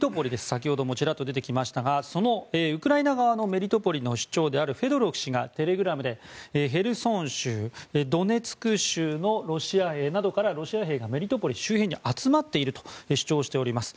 先ほどもちらっと出てきましたがウクライナ側のメリトポリの市長であるフェドロフ氏がテレグラムでヘルソン州、ドネツク州などからロシア兵がメリトポリ周辺に集まっていると主張しております。